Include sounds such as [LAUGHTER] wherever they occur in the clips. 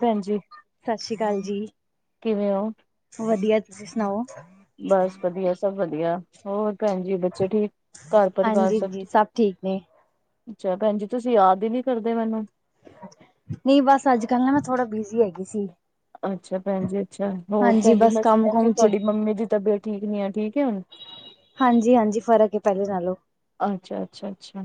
ਭੈਣ ਜੀ ਸਾਸ ਸ੍ਰੀ ਕਾਲ ਜੀ। ਕਿਵੇਂ ਹੋ? ਵਧੀਆ ਤੁਸੀਂ ਸੁਣਾਓ? ਬਸ ਵਧੀਆ ਸਭ ਵਧੀਆ ਹੋਰ ਪੈਣ ਜੀ ਬੱਚੇ ਠੀਕ ਘਰ-ਪਰਿਵਾਰ ਹਾਂਜੀ ਸਭ ਜੀ ਠੀਕ ਨੇ ਅੱਛਾ ਪੈਣਜੀ ਤੁਸੀਂ ਯਾਦ ਈ ਨੀ ਕਰਦੇ ਮੈਨੂੰ ਨਈ ਬਸ ਅੱਜ-ਕੱਲ ਨਾ ਮੈਂ ਥੋੜਾ ਬਿਜੀ ਹੈਗੀ ਸੀ। ਅੱਛਾ ਪੈਣਜੀ ਅੱਛਾ ਹੋਰ ਹਾਂਜੀ ਪੈਣਜੀ ਬਸ ਮੈਂ ਕੰਮ ਸੁਣਿਆ ਸੀ ਕੁਮ ਚ ਤੁਹਾਡੀ ਮੰਮੀ ਦੀ ਤਬੀਅਤ ਠੀਕ ਨੀ ਐ ਠੀਕ ਏ ਹੁਣ? ਹਾਂਜੀ-ਹਾਂਜੀ ਫ਼ਰਕ ਐ ਪੈਲੇ ਨਾਲੋਂ। ਅੱਛਾ-ਅੱਛਾ-ਅੱਛਾ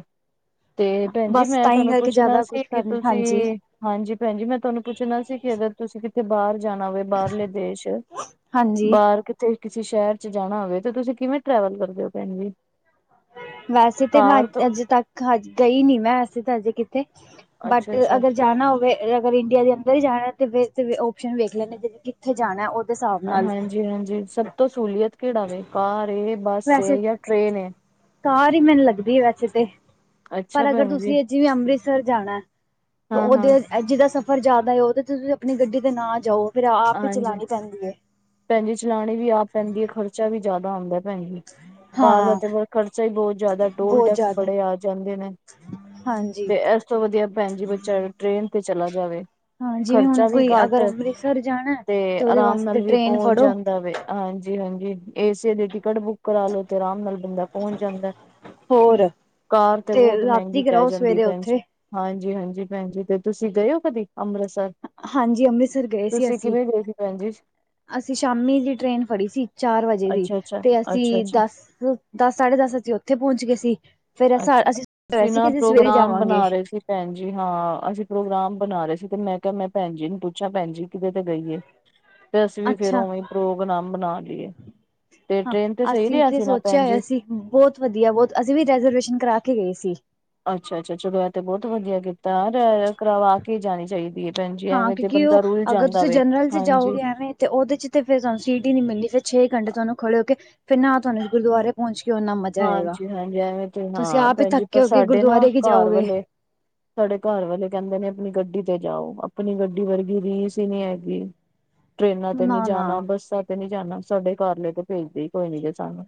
ਤੇ ਪੈਣ ਜੀ ਬਸ ਮੈਂ ਤਾਂ ਹੀ ਤੁਹਾਨੂੰ ਕਰਕੇ ਪੁੱਛਣਾ ਜ਼ਿਆਦਾ ਕੁਛ ਸੀ ਕਿ ਕਰਨ ਤੁਸੀਂ ਹਾਂਜੀ ਹਾਂਜੀ ਪੈਣਜੀ ਮੈਂ ਤੁਹਾਨੂੰ ਪੁੱਛਣਾ ਸੀ ਕਿ ਅਗਰ ਤੁਸੀਂ ਕਿਥੇ ਬਾਰ ਜਾਣਾ ਹੋਵੇ ਬਾਰਲੇ ਦੇਸ਼ ਹਾਂਜੀ ਬਾਰ ਕਿ ਤੇ ਕਿਸੀ ਸ਼ੈਰ ਚ ਜਾਣਾ ਹੋਵੇ ਤੇ ਤੁਸੀਂ ਕਿਵੇਂ ਟਰੈਵਲ ਕਰਦੇ ਓ ਪੈਣ ਜੀ? ਵੈਸੇ ਤਾਂ ਮੈਂ ਕਾਰ ਤੋਂ ਅਜੇ ਤੱਕ ਹਜ ਗਈ ਨੀ ਮੈਂ ਵੈਸੇ ਤਾਂ ਹਜੇ ਕਿੱਥੇ ਅੱਛਾ ਬਟ ਅੱਛਾ ਅਗਰ ਜਾਣਾ ਹੋਵੇ ਅਗਰ ਇੰਡੀਆ ਦੇ ਅੰਦਰ ਈ ਜਾਣਾ ਤੇ ਫੇਰ ਤਾਂ ਓਪਸ਼ਨ ਵੇਖ ਲੈਂਨੇ ਕਿੱਥੇ ਜਾਣਾ ਉ ਹਾਂਜੀ-ਹਾਂਜੀ ਸਭ ਤੋਂ ਸੂਲੀਅਤ ਕੇੜਾ ਵੇ ਕਾਰ ਏ, ਬੱਸ ਵੈਸੇ ਏ ਜਾਂ ਟ੍ਰੇਨ ਏ? ਕਾਰ ਈ ਮੈਨੂੰ ਲੱਗਦੀ ਏ ਵੈਸੇ ਤੇ ਅੱਛਾ ਪਰ ਅਗਰ ਭੈਣ ਜੀ ਤੁਸੀਂ ਜਿਵੇਂ ਅੰਮ੍ਰਿਤਸਰ ਜਾਣਾ ਹਾਂ ਹਾਂ ਓਦੇ ਅ ਜੀਦਾ ਸਫ਼ਰ ਜਾਦਾ ਏ ਓਦੇ ਚ ਤੁਸੀਂ ਆਪਣੀ ਗੱਡੀ ਤੇ ਨਾ ਜਾਓ। ਫਿਰ ਆਪ ਈ ਚਲਾਣੀ ਪੈਂਦੀ ਏ। ਪੈਣ ਜੀ ਚਲਾਣੀ ਵੀ ਆਪ ਪੈਂਦੀ ਏ ਖਰਚਾ ਵੀ ਜਾਦਾ ਆਂਦਾ ਪੈਣ ਜੀ ਕਾਰ ਦਾ ਹਾਂ ਤੇ ਖਰਚਾ ਈ ਬੋਤ ਜਾਦਾ ਟੋਲ ਬਹੁਤ ਟੈਕਸ ਜ਼ਿਆਦਾ ਬੜੇ ਆ ਜਾਂਦੇ ਨੇ। ਹਾਂਜੀ। ਤੇ ਇਸ ਤੋਂ ਵਧੀਆ ਪੈਣ ਜੀ ਬੱਚਾ ਟ੍ਰੇਨ ਤੇ ਚਲਾ ਜਾਵੇ। ਹਾਂ ਜਿਵੇਂ ਹੁਣ ਖਰਚਾ ਵੀ ਕੋਈ ਘੱਟ ਅਗਰ ਅੰਮ੍ਰਿਤਸਰ ਜਾਣਾ ਤੇ ਉਹਦੇ ਆਰਾਮ ਵਾਸਤੇ ਤੇ ਨਾਲ ਵੀ ਟ੍ਰੇਨ ਪੋਂਚ ਫੜੋ ਜਾਂਦਾ ਵੇ। ਹਾਂਜੀ-ਹਾਂਜੀ ਏਸੀ ਦੀ ਟਿਕਟ ਬੁੱਕ ਕਰਾਲੋ ਤੇ ਆਰਾਮ ਨਾਲ ਬੰਦਾ ਪੋਂਚ ਜਾਂਦਾ। ਹੋਰ ਕਾਰ ਤੇ ਬੋਤ ਮੈਂਗੀ ਰਾਤੀ ਪੈ ਕਰਾਓ ਜਾਂਦੀ ਸਵੇਰੇ ਉੱਥੇ ਪੈਣਜੀ। ਹਾਂਜੀ-ਹਾਂਜੀ ਪੈਣ ਜੀ ਤੇ ਤੁਸੀਂ ਗਏ ਓ ਕਦੀ ਅੰਮ੍ਰਿਤਸਰ? ਹਾਂਜੀ ਅੰਮ੍ਰਿਤਸਰ ਗਏ ਸੀ ਤੁਸੀਂ ਅਸੀਂ। ਕਿਵੇਂ ਗਏ ਸੀ ਭੈਣ ਜੀ? ਅਸੀਂ ਸ਼ਾਮੀ ਦੀ ਟ੍ਰੇਨ ਫੜੀ ਸੀ ਚਾਰ ਵਜੇ ਦੀ ਅੱਛਾ ਅੱਛਾ ਤੇ ਅੱਛਾ ਅਸੀਂ ਅੱਛਾ ਦੱਸ ਦਸ ਸਾਢੇ ਦਸ ਅਸੀਂ ਉੱਥੇ ਪੋਚ ਗੇ ਸੀ ਫੇਰ ਅੱਛਾ। ਅਸੀਂ ਤਿਆਯਾ ਦਾ ਕਿ ਅਸੀਂ ਸਵੇਰੇ ਜਾਵਾਂਗੇ। ਭੈਨ ਜੀ ਹਾਂ, ਅਸੀ ਪ੍ਰੋਗਰਾਮ ਬਨਾ ਰੇ ਸੀ, ਤੇ ਮੈਂ ਕੇਆ ਮੈਂ ਭੈਨ ਜੀ ਨੂੰ ਪੁੱਛਾਂ, ਭੈਨ ਜੀ ਕਿਦੇ ਤੇ ਗਈਏ? ਤੇ ਅਸੀ ਵੀ ਫੇਰ ਅੱਛਾ ਓਵੇਂ ਈ ਪ੍ਰੋਗਰਾਮ ਬਨਾ ਲੀਏ, ਤੇ ਟ੍ਰੇਨ ਤੇ ਸਈ ਰੇਆ ਸੀ ਨਾ ਭੈਨ ਜੀ? ਬੋਤ ਵਦੀਆ ਬੋਤ, ਅਸੀ ਵੀ ਰੈਜਰਵੇਸ਼ਨ ਕਰਾ ਕੇ ਗਏ ਸੀ। ਅੱਛਾ-ਅੱਛਾ, ਚਲੋ ਐ ਤੇ ਬੋਤ ਵਦੀਆ ਕੀਤੈ, ਅਰ-ਅਰ ਕਰਵਾ ਕੇ ਜਾਨੀ ਚਾਈਦੀ ਏ। ਹਾਂ ਕਿਉਂਕਿ ਓ, ਅਗਰ ਤੂਸੀ ਜਨਰਲ ਚ ਹਾਂਜੀ ਜਾਓਗੇ ਐਵੇਂ ਤੇ ਓਦੇ ਚ ਤੇ ਫਿਰ ਤੂਆਨੂੰ ਸੀਟ ਈ ਨੀ ਮਿਲਨੀ, ਫੇਰ ਛੇ ਘੰਟੇ ਤੂਆਨੂੰ ਖੜੇ ਹੋ ਕੇ, ਫੇਰ ਨਾ ਤੂਆਨੂੰ ਗੁਰਦੁਆਰੇ ਪੋਂਚ ਕੇ ਓਨਾ ਮਜਾ ਆਏਗਾ, ਹਾਂਜੀ ਹਾਂਜੀ ਐਵੇਂ ਤੇ ਤੂਸੀ ਹਾਂ ਆਪ ਈ ਭੈਣ ਜੀ ਪਰ ਥੱਕੇ ਹੋਗੇ, ਸਾਡੇ ਨਾ ਗੁਰਦੁਆਰੇ ਕੀ ਘਰ ਜਾਓਗੇ। [INAUDIBLE] ਸਾਡੇ ਘਾੱਰ ਵਾਲੇ ਕੈਂਦੇ ਨੇ, ਅਪਨੀ ਗੱਡੀ ਤੇ ਜਾਓ, ਅਪਨੀ ਗੱਡੀ ਵਰਗੀ ਰੀਸ ਈ ਨੀ ਹੈਗੀ। [INAUDIBLE] ਟ੍ਰੇਨਾਂ ਤੇ ਨੀ ਨਾ ਨਾ ਜਾਨਾ, ਬੱਸਾਂ ਤੇ ਨੀ ਜਾਨਾ, ਸਾਡੇ ਘਾਰਲੇ ਤੇ ਭੇਜਦੇ ਈ ਕੋਈ ਨੀ ਜੇ ਸਾਨੂੰ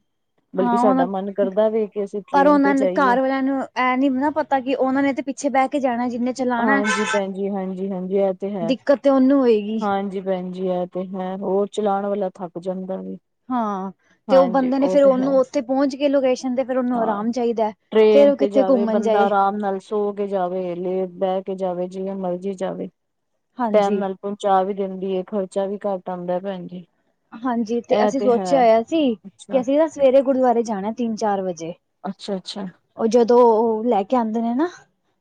ਬਲਕਿ ਹਾਂ ਉਹਨਾਂ ਸਾਡਾ ਮੰਨ ਕਰਦਾ ਵੇ, ਕਿ ਅਸੀ ਟੇ੍ੈਨ ਤੇ ਜਾਈਏ ਐਂ ਨੀ ਨਾ ਪਤਾ ਕਿ ਓਨਾਂ ਨੇ ਤੇ ਪਿੱਛੇ ਬੈ ਕੇ ਜਾਣੈ, ਜਿੰਨੇ ਹਾਂਜੀ ਭੈਨ ਜੀ ਹਾਂਜੀ-ਹਾਂਜੀ ਐ ਤੇ ਹੈ, ਦਿੱਕਤ ਤੇ ਉਹਨੂੰ ਹੋਏਗੀ। ਹਾਂਜੀ ਭੈਨ ਜੀ ਐ ਤੇ ਹੈ, ਹੋਰ ਚਲਾਣ ਵਾਲਾ ਥੱਕ ਜਾਂਦਾ ਵੇ। ਹਾਂ ਤੇ ਓ ਬੰਦੇ ਨੇ ਫੇਰ ਹੈ ਓਨੂੰ ਉੱਥੇ ਪੋਂਹਚ ਕੇ ਲੋਕੇਸ਼ ਕੈਂਦੇ ਫੇਰ ਓਨੂੰ ਹਾਂ ਅਰਾਮ ਚਾਈਦੈ, ਫੇਰ ਟ੍ਰੇਨ ਓ ਤੇ ਕਿੱਥੇ ਜਾਵੇ ਘੁੰਮਨ ਬੰਦਾ ਜਾਏ। ਆਰਾਮ ਨਾਲ ਸੋ ਕੇ ਜਾਵੇ, ਲੇ ਬੈ ਕੇ ਜਾਵੇ ਜਿਂਵੇਂ ਮਰਜੀ ਜਾਵੇ, ਟੈਮ ਹਾਂਜੀ। ਨਾਲ ਪਹੁੰਚਾਅ ਵੀ ਦੇਂਦੀ ਏ ਖਰਚਾ ਵੀ ਕਾੱਟ ਆਂਦੈ ਭੈਨ ਜੀ। ਹਾਂਜੀ, ਤੇ ਐ ਅਸੀ ਸੋਚੇਆ ਹੈ, ਹੋਏਆ ਸੀ ਕਿ ਅੱਛਾ, ਅਸੀ ਨਾ ਸਵੇਰੇ ਗੁਰਦੁਆਰੇ ਜਾਣੈ, ਤਿੰਨ-ਚਾਰ ਵਜੇ। ਅੱਛਾ, ਅੱਛਾ। ਓ ਜਦੋਂ ਓ ਲੈ ਕੇ ਆਂਦੇ ਨੇ ਨਾ,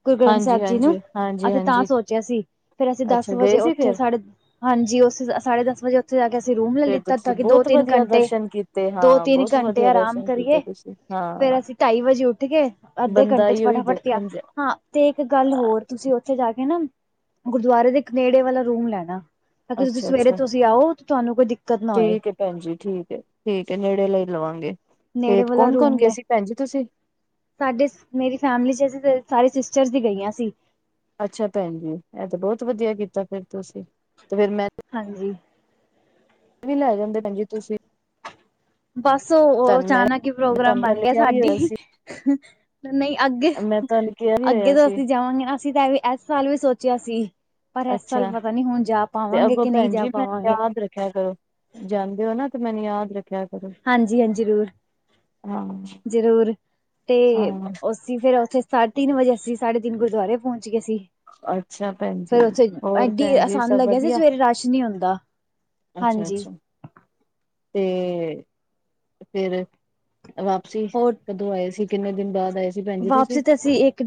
ਗੁਰੂ ਗ੍ਰੰਥ ਸ੍ਹੈਬ ਜੀ ਨੂੰ, ਹਾਂਜੀ-ਹਾਂਜੀ, ਅਸੀ ਤਾਂ ਹਾਂਜੀ-ਹਾਂਜੀ। ਸੋਚ ਚੇਆ ਸੀ, ਫੇਰ ਅਸੀ ਦਾੱਸ ਅੱਛਾ ਗਏ ਵਜੇ ਸੀ ਉੱਥੇ ਫੇਰ? ਸਾਡੇ, ਹਾਂਜੀ ਉਸ ਸਾਢੇ ਦਾੱਸ ਵਜੇ ਓਥੇ ਜਾ ਕੇ ਅਸੀ ਰੂਮ ਲੈ ਫੇਰ ਲਿੱਤਾ ਤਾਂ ਤੁਸੀਂ ਕਿ ਬਹੁਤ ਦੋ-ਤਿੰਨ ਵਧੀਆ ਘੰਟੇ, ਦਰਸ਼ਨ ਕੀਤੇ, ਹਾਂ ਦੋ-ਤਿੰਨ ਬਹੁਤ ਘੰਟੇ ਵਧੀਆ ਅਰਾਮ ਦਰਸ਼ਨ ਕੀਤੇ ਕਰੀਏ, ਤੁਸੀਂ, ਫੇਰ ਹਾਂ। ਅਸੀ ਢਾੱਈ ਵਜੇ ਉੱਠ ਗੇ, ਅੱਧੇ ਬੰਦਾ ਘੰਟੇ ਚ ਏਈਓ ਫਟਾਫਟ ਤੇਆ, ਦੇਖਣ ਜਾ ਹਾਂ ਤੇ ਇੱਕ ਗਾੱਲ ਹੋਰ, ਤੂਸੀ ਓਥੇ ਜਾ ਕੇ ਨਾ, ਗੁਰਦੁਆਰੇ ਦੇ ਇੱਕ ਨੇੜੇ ਵਾਲਾ ਰੂਮ ਲੈਣਾ। ਤਾ ਕਿ ਤੂਸੀ ਸਵੇਰੇ ਅੱਛਾ-ਅੱਛਾ, ਤੂਸੀ ਆਓ, ਤੂਆਨੂੰ ਕੋਈ ਦਿੱਕਤ ਨਾ ਹੋਏ। ਭੈਨਜੀ ਠੀਕ ਏ, ਠੀਕ ਏ ਨੇੜੇ ਆਲਾ ਈ ਲਵਾਂਗੇ, ਤੇ ਨੇੜੇ ਵਾਲਾ ਕੌਨ-ਕੌਨ ਰੂਮ ਗਏ ਲੈ ਸੀ ਭੈਨ ਜੀ ਤੂਸੀ? ਸਾਡੇ ਚ, ਮੇਰੀ ਫੈਮਲੀ ਇਚ ਅਸੀ ਤੇ ਸਾਰੀ ਸਿਸਟਰਸ ਈ ਗਈਆਂ ਸੀ। ਅੱਛਾ ਭੈਨ ਜੀ, ਏ ਤੇ ਬੋਤ ਵਦੀਆ ਕੀਤਾ ਫੇਰ ਤੂਸੀ, ਤੇ ਫੇਰ ਮੈਂ ਹਾਂਜੀ। ਵੀ ਲੈ ਜਾਂਦੈ ਭੈਨ ਜੀ ਤੂਸੀ। ਬਾੱਸ ਓ ਮੈਂ ਅਚਾਨਕ ਈ ਮੈਂ ਪ੍ਰੋਗਰਾਮ ਤੁਹਾਨੂੰ ਬਾੱਨ ਪਹਿਲੇ ਗੇਆ ਕਿਹਾ ਵੀ ਹੋਇਆ ਸੀ। ਸਾਡੀ ਨਹੀ ਮੈਂ ਤੁਹਾਨੂੰ ਕਿਹਾ ਵੀ ਅੱਗੇ-ਅੱਗੇ ਹੋਇਆ ਤੋਂ ਸੀ ਅਸੀ ਜਾਵਾਂਗੇ ਨਾ, ਅਸੀ ਤਾ ਐਸ ਸਾਲ ਵੀ ਸੋਚੇਆ ਸੀ। ਪਰ ਐਸ ਸਾਲ ਅੱਛਾ ਪਤਾ ਨੀ ਹੁਨ ਜਾ ਪਾਵਾਂਗੇ ਕੇ ਨਈ ਜਾ ਪਾਵਾਂਗੇ। ਬਾੰਦ ਰੱਖੇਆ ਕਰੋ। ਜਾਂਦੇ ਓ ਨਾ, ਤੇ ਮੈਨ ਯਾਦ ਰੱਖੇਆ ਹਾਂਜੀ-ਹਾਂਜੀ, ਹਾਂ ਜਰੂਰ-ਜਰੂਰ ਤੇ ਹਾਂ ਓਸ ਅਸੀ ਫੇਰ ਓਥੇ, ਸਾ ਤਿੰਨ ਵਜੇ ਅਸੀ ਸਾਡੇ ਤਿੰਨ ਗੁਰਦੁਆਰੇ ਪ੍ਹੇਂਚ ਗਏ ਸੀ। ਅੱਛਾ ਭੈਣ ਜੀ ਫੇਰ ਉਥੇ ਹੋਰ ਐਡੀ, ਭੈਣ ਐ ਜੀ ਸਾੱਨ ਲੱਗੇਆ ਸੀ, ਸਵੇਰੇ ਰਾੱਸ਼ ਨੀ ਹੁੰਦਾ। ਹਾਂਜੀ ਅੱਛਾ-ਅੱਛਾ, ਤੇ ਫੇਰ ਵਾਪਸੀ ਹੋਰ ਕਦੋਂ ਆਏ ਸੀ, ਕਿੰਨੇ ਦਿਨ ਬਾਦ ਆਏ ਸੀ ਭੈਨ ਜੀ ਤੂਸੀ?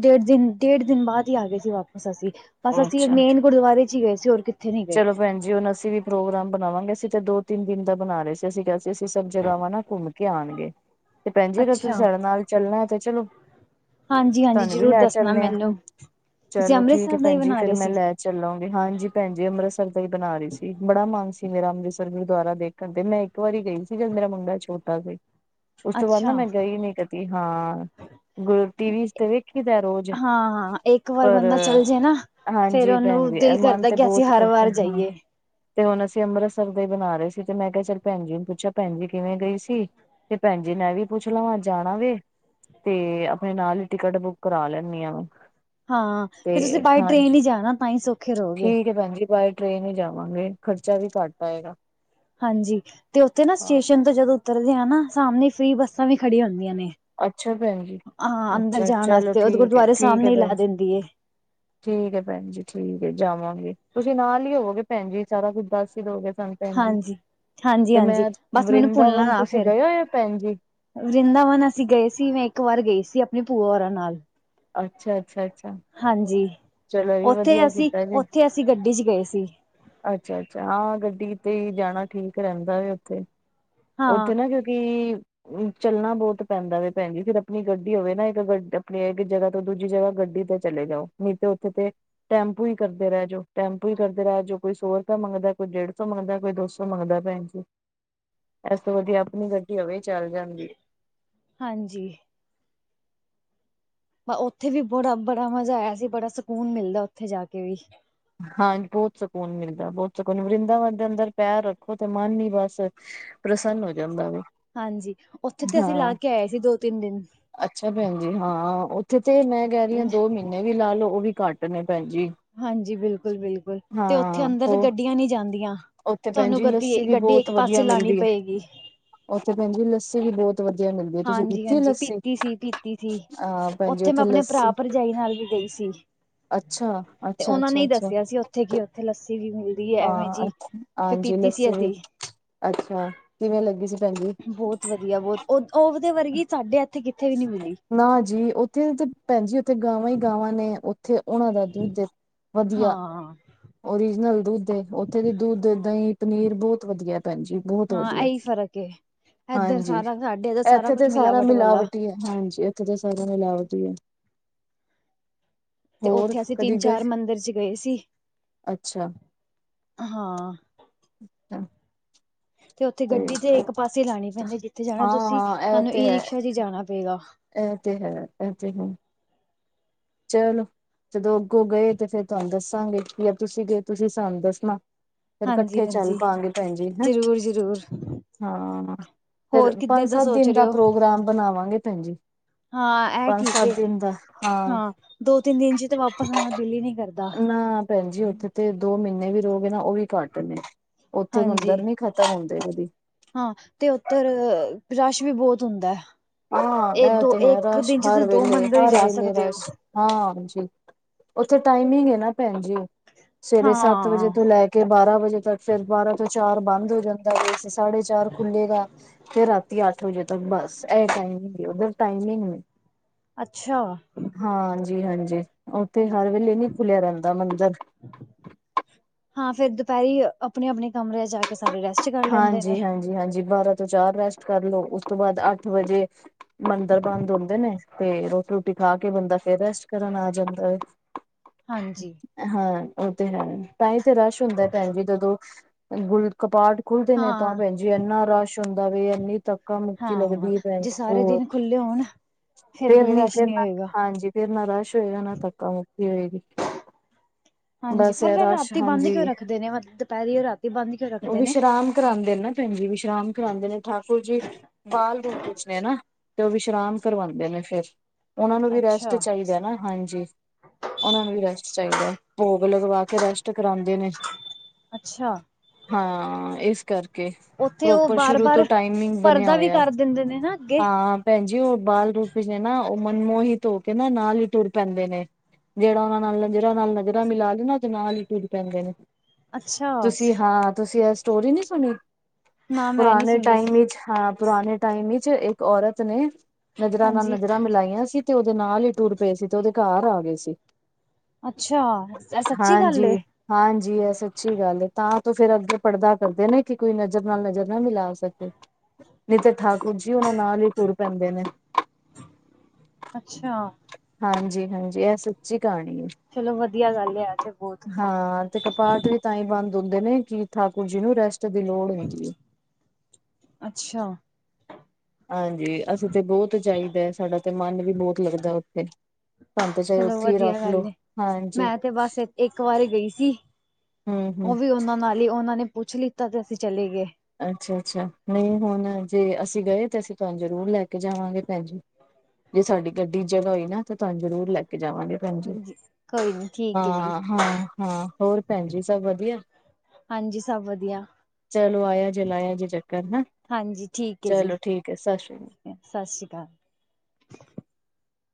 ਡੇਡ ਦਿਨ, ਡੇਡ ਦਿਨ ਬਾਦ ਈ ਆਗੇ ਸੀ ਵਾਪਸ ਅਸੀ, ਬਾੱਸ ਅਸੀ ਅੱਛਾ ਮੇਨ ਗੁਰਦਆਰੇ ਚ ਈ ਗਏ ਸੀ ਹੋਰ ਕਿਤ ਚਲੋ ਭੈਨ ਜੀ ਹੁਨ ਅਸੀ ਵੀ ਪ੍ਰੋਗਰਾਮ ਬਨਾਵਾਂਗੇ, ਅਸੀ ਤੇ ਦੋ-ਤਿੰਨ ਦਿਨ ਦਾ ਬਨਾ ਰੇ ਸੀ, ਅਸੀ ਕੇਆ ਸੀ ਅਸੀ ਸਬ ਜਗਾਵਾਂ ਨਾ ਘੂੰਮ ਕੇ ਆਨਗੇ। ਤੇ ਭੈਣ ਜੀ ਅਗਰ ਅੱਛਾ ਤੁਸੀਂ ਸਾਡੇ ਨਾਲ, ਚੱਲਣਾ ਹੈ ਤੇ ਚਲੋ ਹਾਂਜੀ ਹਾਂਜੀ ਤਾਨੂੰ ਵੀ ਜ਼ਰੂਰ ਲੈ ਦੱਸਣਾ ਚੱਲਨੇ ਆ ਮੈਨੂੰ ਤੁਸੀਂ ਚਲੋ ਠੀਕ ਹੈ ਅੰਮ੍ਰਿਤਸਰ ਦਾ ਹੀ ਭੈਣ ਜ ਬਣਾ ਫੇਰ ਰਹੇ ਮੈਂ ਸੀ ਲੈ ਚੱਲੋਂਗੇ, ਹਾਂਜੀ ਭੈਣ ਜੀ ਅੰਮ੍ਰਿਤਸਰ ਦਾ ਹੀ ਬਨਾ ਰੀ ਸੀ। ਬੜਾ ਮਨ ਸੀ ਮੇਰਾ ਅੰਮ੍ਰਿਤਸਰ ਗੁਰੁਆਰਾ ਦੇਖਣ ਤੇ, ਮੈਂ ਇੱਕ ਵਾਰੀ ਗਈ ਸੀ। ਜਦ ਮੇਰਾ ਮੁੰਡ ਚ ਛੋਟਾ ਸੀ। ਉਸ ਤੋਂ ਬਾਦ ਨਾ ਅੱਛਾ ਮੈਂ ਗਈ ਨਈ ਕਦੀ ਹਾਂ ਗ ਟੀਵੀ ਚ, ਤੇ ਵੇਖੀ ਦਾ ਰੋਜ਼ ਹਾਂ ਹਾਂ ਇੱਕ ਵਾਰ ਪਰ ਬੰਦਾ ਚੱਲ ਜੇ ਨਾ ਫੇਰ ਹਾਂਜੀ, ਭੈਣ ਉਹਨੂੰ ਜੀ ਦਿਲ ਮਨ ਕਰਦਾ ਤੇ ਕਿ ਅਸੀਂ ਬੋਹਤ ਹਰ ਵਾਰ ਕਰਦਾ ਹਾਂ ਜਾਈਏ ਤੇ ਹੁਣ ਅਸੀਂ ਅੰਮ੍ਰਿਤਸਰ ਦੇ ਹੀ ਬਣਾ ਰਹੇ ਸੀ, ਤੇ ਮੈਂ ਕਿਹਾ ਚੱਲ ਭੈਣ ਜੀ ਨੂੰ ਪੁੱਛਾ ਭੈਣ ਜੀ ਕਿਵੇਂ, ਗਏ ਸੀ ਤੇ ਭੈਣ ਜੀ, ਨ ਐਵੀ ਪੁੱਛ ਲਵਾਂ, ਜਾਣਾ ਵੇ ਤੇ ਆਪਣੇ ਨਾਲ ਈ, ਟਿਕਟ ਬੁੱਕ ਕਰਾ ਲੈਨੀ ਆ ਹਾਂ, ਤੇ ਤੁਸੀਂ ਬਾਏ ਟ੍ਰੇਨ ਹੀ ਜਾਣਾ, ਤਾਂ ਹੀ ਸੌਖੇ ਰਹੋਗੇ ਠੀਕ ਭੈਣ ਜੀ, ਬਾਏ ਟ੍ਰਰੇਨ ਹੀ ਜਾਵਾਂਗੇ, ਖਰਚਾ ਵੀ ਘੱਟ ਆਏਗਾ ਹਾਂਜੀ, ਤੇ ਉਥੇ ਨਾ ਹਾਂ। ਸਟੇਸ਼ਨ ਤੋਂ ਜਦੋ ਉਤਰਦੇ ਆ ਨਾ, ਤਾਂ ਸਾਹਮਣੇ ਫ੍ਰਰੀ ਬੱਸਾਂ ਵੀ, ਖੜੀਆਂ ਹੁੰਦੀਆਂ ਨੇ ਅੱਛਾ ਭੈਣ ਜੀ ਹਾਂ, ਅੰਦਰ ਅੱਛਾ ਜਾਣ ਚਲੋ ਵਾਸਤੇ, ਉਹ ਠੀਕ ਹੈ ਗੁਰਦੁਆਰੇ ਠੀਕ ਹੈ ਸਾਹਮਣੇ ਹੀ ਭੈਣ ਲਾ ਜੀ। ਦਿੰਦੀ ਏ [INAUDIBLE] ਠੀਕ ਭੈਣ ਜੀ ਠੀਕ ਹੈ, ਜਾਵਾਂਗੇ ਤੁਸੀ ਨਾਲ ਹੀ ਹੋਵੋਗੇ ਭੈਣ ਜੀ, ਸਾਰਾ ਕੁੱਛ ਦੱਸ ਹੀ ਦੋਗੇ ਸਾਨੂੰ ਭੈਣ ਜੀ ਹਾਂਜੀ। ਤੇ, ਹਾਂਜੀ-ਹਾਂਜੀ ਮੈ ਬਸ ਮੈਨੂੰ ਵਰਿੰਦਾਵਨ ਤੁਸੀ ਗਏ ਹੋ, ਆ ਭੈਣ ਜੀ ਵ੍ਰਿੰਦਾਵਨ ਅਸੀ ਗਏ ਸੀ। ਮੈ ਇਕ ਵਾਰ ਗਈ ਸੀ, ਆਪਣੇ ਭੂਆ ਔਰਾਂ ਨਾਲ ਅਛਾ- ਅਛਾ- ਅਛਾ ਹਾਂਜੀ, ਉਥੇ ਅਸੀ-ਉਥੇ ਅਸੀ, ਗੱਡੀ 'ਚ ਗਏ ਸੀ। ਅੱਛਾ-ਅੱਛਾ ਹਾਂ ਗੱਡੀ ਤੇ, ਜਾਣਾ ਠੀਕ ਰਹਿਦਾ ਉਥੇ ਹਾਂ ਉਥੇ ਨਾ, ਕਿਉਕਿ ਚੱਲਣਾ ਬਹੁਤ ਪੈਂਦਾ ਵੇ, ਭੈਣ ਜੀ ਫੇਰ ਆਪਣੀ ਗੱਡੀ ਹੋਵੇ ਨਾ, ਇਕ ਆਪਣੀ ਇਕ ਜਗ੍ਹਾ ਤੋਂ, ਦੂਜੀ ਜਗ੍ਹਾ ਗੱਡੀ ਤੇ ਚਲੇ ਜਾਓ, ਨਹੀ ਤੇ ਉਥੇ ਤੇ ਟੈਂਪੂ ਹੀ, ਕਰਦੇ ਰਹਿ ਜਾੳ-ਟੈਂਪੂ ਕਰਦੇ ਰਹਿ ਜਾੳ ਕੋਈ, ਸੌ ਰੁਪਇਆ ਮੰਗਦਾ ਕੋਈ ਡੇਢ ਸੌ, ਮੰਗਦਾ ਕੋਈ ਦੋ ਸੌ ਮਗਦਾ ਭੈਣ ਜੀ ਇਸ ਤੋਂ ਵਧੀਆ, ਆਪਣੀ ਗੱਡੀ ਹੋਵੇ, ਚਲ ਜਾਦੀ ਏ ਹਾਂਜੀ। ਉਥੇ ਵੀ, ਬੜਾ -ਬੜਾ ਮਜ਼ਾ ਆਇਆ ਸੀ, ਬੜਾ ਸਕੂਨ ਮਿਲਦਾ ਉਥੇ ਜਾ ਕੇ ਵੀ ਹਾਂ ਬਹੁਤ ਸਕੂਨ ਮਿਲਦਾ, ਬਹੁਤ ਸਕੂਨ ਵਰਿੰਦਾਵਨ, ਦੇ ਅੰਦਰ ਪੈਰ ਰੱਖੋ ਤੇ, ਮਨ ਹੀ ਬਸ ਪ੍ਰਸੰਨ ਹੋ ਜਾਂਦਾ ਵਾ ਹਾਂਜੀ, ਉਥੇ ਤੇ ਅਸੀ ਲਾ ਕੇ ਆਏ ਸੀ, ਦੋ ਤਿੰਨ ਦਿਨ ਅਛਾ ਭੈਣ ਜੀ, ਹਾਂ ਉਥੇ ਤੇ ਮੈ ਕਹਿ ਰਹੀ ਹਾਂ ਦੋ ਮਹੀਨੇ ਵੀ, ਲਾ ਲੋਓ ਉਹ ਵੀ ਘੱਟ ਨੇ ਭੈਣ ਜੀ ਹਾਂਜੀ, ਬਿਲਕੁਲ- ਬਿਲਕੁਲ ਤੇ, ਉਥੇ ਹਾਂ ਅੰਦਰ ਹੋਰ ਗੱਡੀਆਂ ਨਈ ਜਾਂਦੀਆਂ। ਉੱਥੇ ਭੈਣ ਤੁਹਾਨੂੰ, ਜੀ ਲੱਸੀ ਗੱਡੀ- ਵੀ ਗੱਡੀ ਇਕ ਪਾਸੇ ਲਾਉਣੀ ਪਏਗੀ। ਉਥੇ, ਭੈਣਜੀ ਲੱਸੀ ਵੀ ਬੋ ਵਧੀਆ ਮਿਲਦੀ ਹੈ। ਤੁਸੀ ਹਾਂਜੀ ਪੀਤੀ ਹਾਂਜੀ ਲੱਸੀ ਪੀਤੀ ਸੀ ਪੀਤੀ ਸੀ ਹਾ ਭੈਣ ਜ ਉੱਥੇ ਉਥੇ ਮੈਂ ਆਪਣੇ ਭਰਾ ਲੱਸੀ ਭਰਜਾਈ ਨਾਲ ਵੀ ਗਈ ਸੀ। ਅੱਛਾ ਤੇ ਅੱਛਾ ਉਹਨਾਂ ਨੇ ਅੱਛਾ ਹੀ ਅੱਛਾ ਦੱਸਿਆ ਸੀ, ਉਥੇ ਕੀ ਉਥੇ ਲੱਸੀ ਵੀ ਮਿਲਦੀ ਹੈ। ਐਵੇਂ ਹਾਂ ਜੀ ਫਿਰ ਹਾਂਜੀ ਪੀਤੀ, ਸੀ ਲੱਸੀ ਵੀ ਅਸੀ ਅੱਛਾ, ਕਿਵੇ ਲੱਗੀ ਸੀ- ਭੈਣ ਜੀ ਬਹੁਤ ਵਧੀਆ, ਬਹੁਤ ਉਹ ਉਹਦੇ ਵਰਗੀ ਸਾਡੇ ਐਥੇ ਕਿਥੇ ਵੀ ਨੀ ਮਿਲੀ ਨਾ ਜੀ, ਉਥੇ ਤੇ ਭੈਣ ਜੀ, ਉਥੇ ਗਾਵਾਂ ਹੀ ਗਾਵਾਂ ਨੇ ਤੇ ਉਹਨਾਂ ਦਾ, ਦੁੱਧ ਵਧੀਆ ਹਾਂ ਓਰੀਜਨਲ ਦੁੱਧ, ਉਥੇ ਦਤੇ ਦੁੱਧ ਦਹੀ ਪਨੀਰ ਬਹੁਤ ਵਧੀਆ ਭੈਣ ਜੀ ਬੋਤ ਹਾਂ ਵਦੀਆ ਇਹੀ ਫ਼ਰਕ ਏ ਇੱਧਰ ਹਾਂਜੀ ਸਾਰਾ ਸਾਡੇ ਇੱਧਰ ਐਥੇ ਤੇ ਕੁਛ ਸਾਰਾ ਮਿਲਾਵਟ ਵਾਲਾ ਮਿਲਾਵਟੀ ਐ। ਹਾਂਜੀ ਐਥੇ ਤਾਂ ਸਾਰਾ ਮਿਲਾਵਟੀ ਐ। ਤੇ ਹੋਰ ਓਥੇ ਅਸੀ ਕਦੀ ਤਿੰਨ ਗਏ ਚਾਰ ਮੰਦਿਰ ਚ ਗਏ ਸੀ। ਅੱਛਾ। ਹਾਂ। [INAUDIBLE] ਤੇ ਓਥੇ ਗੱਡੀ ਤੇ ਇਕ ਪਾਸੇ ਲਾਣੀ ਪੈਂਦੀ ਜਿਥੇ ਜਾਣਾ ਹਾਂ ਤੁਸੀ ਤਾਨੂੰ ਈ ਰਿਕਸ਼ਾ ਚ ਈ ਜਾਣਾ ਪਏਗਾ। ਐ ਤੇ ਹੈ, ਐ ਤੇ ਹੂੰ। ਚਲੋ ਜਦੋ ਅੱਗੋ ਗਏ ਤੇ ਫੇਰ ਤੋਆਨੂੰ ਦੱਸਾਂਗੇ ਕੀ ਯਾ ਤੁਸੀ ਗਏ ਤੁਸੀ ਸਾਨ ਦੱਸਨਾ। ਫੇਰ ਕਠੇ ਹਾਂਜੀ ਚੱਲ ਹਾਂਜੀ ਪਾਂਗੇ ਪੈਨ ਜੀ ਹੈਂ ਜ਼ਰੂਰ ਜ਼ਰੂਰ ਹਾਂ। ਫੇਰ ਹੋਰ ਕਿੱਧਰ ਪੰਜ, ਸੱਤ ਸੋਚ ਦਿਨ ਰਹੇ ਦਾ ਹੋ ਪ੍ਰੋਗਰਾਮ ਬਨਾਵਾਂਗੇ ਪੈਨ ਜੀ- ਹਾਂ ਇਹ ਪਾੰਜ, ਠੀਕ ਸਾੱਤ ਏ ਦਿਨ ਦਾ ਹਾਂ- ਦੋ ਤਿੰਨ ਦਿਨ ਚ ਤੇ ਵਾਪਸ ਆਨ ਦਿੱਲ ਈ ਨੀ ਕਰਦਾ। ਨਾ ਪੈਨ ਜੀ ਓਥੇ ਤੇ ਦੋ ਮੀਨੇ ਵੀ ਰੋਗੇ ਨਾ ਓਵੀ ਘਾੱਟ ਨੇ ਓਥੇ ਮੰਦਰ ਹਾਂਜੀ ਨੀ ਖ ਤਾਂ ਹੁੰਦੇ ਵਦੀ। ਹਾਂ ਤੇ ਓਧਰ ਰਾਸ਼ ਵੀ ਬੋਤ ਹੁੰਦਾ। ਹਾਂ ਇਹ ਏਤੋ ਤੇ ਹੈ ਏਕ ਰਸ਼ ਦਿਜ ਹਰ ਚ ਦੋ ਵੇਲੇ ਮੰਦਰ ਈ ਹਰ ਜਾ ਵੇਲੇ ਸਕਦੇ ਓ। ਰਸ਼ ਹਾਂ ਹਾਂਜੀ ਓਥੇ ਟਾਈਮਿੰਗ ਨਾ ਪੈਂਨ ਜੀ ਸਵੇਰੇ ਸਾੱਤ ਵਜੇ ਹਾਂ ਤੋਂ ਲੈ ਕੇ ਬਾਰਾਂ ਵਜੇ ਤੱਕ ਫੇਰ ਬਾਰਾਂ ਤੋਂ ਚਾਰ ਬਾੰਦ ਹੋ ਜਾਂਦਾ ਜੇ ਸਾਢੇ ਚਾਰ ਖੁੱਲੇਗਾ ਫੇਰ ਰਾ ਤੀ ਆੱਠ ਵਜੇ ਤੱਕ ਬਾਸ ਐ ਟਾਈਮ ਓਧਰ ਟਾਈਮਿੰਗ। ਅੱਛਾ। ਹਾਂਜੀ, ਹਾਂਜੀ ਓਥੇ ਹਰ ਵੇਲੇ ਨੀ ਖੁੱਲੇਆ ਰੈਂਦਾ ਮੰਦਰ। ਹਾਂ ਫੇਰ ਦੁਪੈਰੀ ਆਪਨੇ-ਆਪਣੇ ਕਮਰੇ ਜਾਕੇ। ਸਾਰੇ ਰੈਸਟ ਕਾਰ। ਹਾਂਜੀ, ਹਾਂਜੀ, ਹਾਂਜੀ ਬਾਰਤ। ਤੋ ਚਾਰ ਰੈਸਟ ਕਾਰਲੋ ਓਸ ਤੋ ਬਾਦ ਆੱਠ ਵਜੇ ਮੰਦਰ ਬਾੰਦ ਹੁੰਦੇ ਨੇ। ਤੇ ਰੋਟੀ ਰੋਟੀ ਖਾਕੇ ਬੰਦਾ ਫੇਰ ਰੈਸਟ ਕਰਨ ਆ ਜਾਂਦਾ ਏ। ਹਾਂਜੀ ਹਾਂ ਓ ਤੇ ਹੈ ਤਾਂਈ ਤੇ ਰਾਸ਼ ਹੁੰਦਾ ਪੈਨ ਜੀ ਜਦੋਂ ਗੁਲਕਪਾਟ। ਖੁੱਲਦੇ ਨੇ ਤਾਂ ਹਾਂ ਪੈਨ ਜੀ ਐਨਾ ਰਾਸ਼ ਹੁੰਦਾ ਵੇ ਐਨੀ ਤੱਕ। ਧੱਕਾ ਮੁੱਕੀ ਹਾਂ ਲੱਗਦੀ ਏ ਪੈਨ ਜੇ ਜੀ ਸਾਰੇ ਬੋਤ ਦਿਨ ਖੁੱਲੇ ਹੋਣ ਫੇਰ ਕੋਈ ਨੀ ਰਸ਼ ਫੇਰ ਨਹੀਂ ਹੋਏਗਾ। ਹਾਂਜੀ। ਫੇਰ ਨਾ ਰਾਸ਼ ਹੋਏਗਾ ਨਾ ਧੱਕਾ ਮੁੱਕੀ ਹੋਏਗੀ‌। ਹਾਂਜੀ ਪਰ ਫੇਰ ਰਾਤੀ ਬਾੰਦ ਕਯੋਂ ਹਾਂਜੀ ਰੱਖਦੇ ਨੇ ਦੁਪੈਰੀ ਓ ਰਾਤੀ ਬਾੰਦ ਕਯੋਂ ਰੱਖਦੇ ਨੇ। ਕਰਾਂਦੇ ਨਾ ਪੈਨ ਜੀ ਵਿਸ਼ਰਾਮ ਕਰਾਂਦੇ ਨੇ ਠਾਕੁਰ ਜੀ। ਬਾਲ ਰੂਪ ਵਿੱਚ ਨੇ ਨਾ ਤੇ ਓ ਵਿਸ਼ਰਾਮ ਕਰਵਾਨਦੇ ਨੇ ਫੇਰ। ਓਨਾ ਨੂੰ ਵੀ ਰੈਸਟ ਅੱਛਾ ਚਾਈਦਾ ਨਾ ਹਾਂਜੀ ਓਨਾਂ ਨੂੰ ਵੀ ਰੈਸਟ ਚਾਈਦਾ। ਭੋਗ ਲਗਵਾ ਕੇ ਰੈਸਟ ਕਰੋਂਦੇ ਨੇ। ਅੱਛਾ। ਹਾਂ ਏਸ ਕਰ। ਕੇ ਉੱਥੇ ਉਹ ਪ੍ਰੋਪਰ ਬਾਰ ਸ਼ੁਰੂ ਤੋ‌ ਬਾਰ ਟਾਈਮਿੰਗ ਬਨੇਆ ਪਰਦਾ ਵੀ ਹੋਏਆ ਕਰ ਦਿੰਦੇ ਨੇ ਨਾ ਅੱਗੇ ਹਾਂ। ਪੈਨ ਜੀ ਓ ਬਾਲ ਰੂਪ ਨੇ ਨਾ ਓ ਮਨਮੋਹਿਤ ਹੋਕੇ ਨਾ ਨਾਲ ਈ ਟੁਰ ਪੈਂਦੇ ਨੇ। ਜੇੜਾ ਓਨਾਂ ਨਾਲ ਨਜਰਾਂ ਨਾਲ ਨਜ਼ਰਾਂ ਮਿਲਾ ਲੇਨਾ ਤੇ ਨਾਲ ਈ ਟੁਰ ਪੈਂਦੇ ਨੇ, ਅੱਛਾ ਤੁਸੀ। ਹਾਂ ਤੁਸੀ ਐ ਸਟੋਰੀ ਨੀ ਸੁਨੀ ਨਾ ਮੈਂ ਨੀ ਪੁਰਾਨੇ ਸੁਣੀ ਟਾਈਮ ਇਚ ਹਾਂ। ਪੁਰਾਨੇ ਟਾਈਮ ਇਚ ਇੱਕ ਔਰਤ ਨੇ, ਨਜ਼ਰਾਂ ਨਾਲ ਹਾਂਜੀ ਨਜ਼ਰਾਂ ਮਿਲਾਈਆਂ ਸੀ। ਤੇ ਓਦੇ ਨਾਲ ਈ ਟੁਰ ਪਏ ਸੀ ਤੇ ਓਦੇ ਘਾਰ ਆ ਗਏ ਸੀ। ਅੱਛਾ। ਇਹ ਸੱਚੀ ਗੱਲ ਏ ਹਾਂਜੀ ਹਾਂਜੀ ਇਹ ਸੱਚੀ ਗੱਲ ਹੈ ਤਾਂ ਤੋਂ ਫੇਿਰ ਅੱਗੇ ਪੜ੍ਹਦਾ ਕਰਦੇ ਨਾ ਕਿ ਕੋਈ ਨਜ਼ਰ ਨਾਲ ਨਜ਼ਰ ਨਾ ਮਿਲਾ ਸਕੇ ਨੀਤ ਠਾਕੁਰ ਜੀ ਉਹਨਾਂ ਨਾਲ ਹੀ ਤੁਰ ਪੈਂਦੇ ਨੇ ਅੱਛਾ ਹਾਂਜੀ ਹਾਂਜੀ ਇਹ ਸੱਚੀ ਕਹਾਣੀ ਹੈ ਚਲੋ ਵਧੀਆ ਗੱਲ ਹੈ ਤੇ ਬਹੁਤ ਹਾਂ ਤੇ ਕਪਾਟ ਵੀ ਤਾਂ ਹੀ ਬੰਦ ਹੁੰਦੇ ਨੇ ਕਿ ਠਾਕੁਰ ਜੀ ਨੂੰ ਰੈਸਟ ਦੀ ਲੋੜ ਹੁੰਦੀ ਹੈ ਅੱਛਾ ਹਾਂਜੀ ਅਸੀਂ ਤੇ ਬਹੁਤ ਚਾਹੀਦਾ ਸਾਡਾ ਤੇ ਮਨ ਵੀ ਬਹੁਤ ਲੱਗਦਾ ਉੱਥੇ ਧੰਦ ਚਾਹੇ ਚਲੋ ਉੱਥੇ ਹੀ ਵਧੀਆ ਰੱਖ ਲੋੋ ਗੱਲ ਏ ਹਾਂਜੀ ਮੈਂ ਤੇ ਬਸ ਇੱਕ ਵਾਰੀ ਗਈ ਸੀ ਹਮ ਹਮ ਉਹ ਵੀ ਉਹਨਾਂ ਨਾਲ ਹੀ ਉਹਨਾਂ ਨੇ ਪੁੱਛ ਲਿੱਤਾ ਤੇ ਅਸੀਂ ਚਲੇ ਗਏ ਅੱਛਾ ਅੱਛਾ ਨਹੀਂ ਹੁਣ ਜੇ ਅਸੀਂ ਗਏ ਤੇ ਅਸੀਂ ਤੁਹਾਨੂੰ ਜ਼ਰੂਰ ਲੈ ਕੇ ਜਾਵਾਂਗੇ ਭੈਣ ਜੀ ਜੇ ਸਾਡੀ ਗੱਡੀ ਜਗ੍ਹਾ ਹੋਈ ਨਾ ਤਾਂ ਤੁਹਾਨੂੰ ਜ਼ਰੂਰ ਲੈ ਕੇ ਜਾਵਾਂਗੇ ਭੈਣਜੀ ਕੋਈ ਨੀ ਠੀਕ ਹੈ ਜੀ ਹਾਂ ਹਾਂ ਹਾਂ ਹੋਰ ਭੈਣ ਜੀ ਸਭ ਵਧੀਆ ਹਾਂਜੀ ਸਭ ਵਧੀਆ ਚਲੋ ਆਇਆ ਜੇ ਲਾਇਆ ਜੇ ਚੱਕਰ ਹੈ ਹਾਂਜੀ ਠੀਕ ਹੈ ਜੀ ਚਲੋ ਠੀਕ ਹੈ ਸਤਿ ਸ਼੍ਰੀ ਅਕਾਲ ਸਤਿ ਸ਼੍ਰੀ ਅਕਾਲ